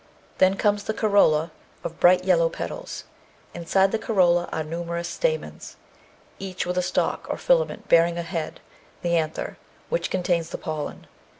Then comes the corolla of bright yellow petals. Inside the corolla are numerous stamens, each with a stalk or filament bearing a head, the anther, which contains the pollen.